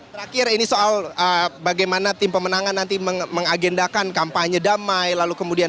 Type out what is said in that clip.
terakhir ini soal bagaimana tim pemenangan nanti mengagendakan kampanye damai lalu kemudian